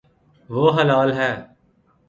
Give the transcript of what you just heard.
وہ ہلال ہے